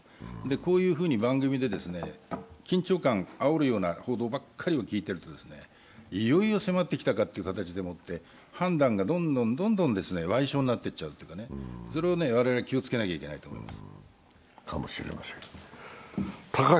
こういうふうに番組で緊張感をあおるような報道ばっかりを聞いているといよいよ迫ってきたかという形でもって、判断がどんどん矮小になっていっちゃうというか、それを我々は気を付けないといけないと思います。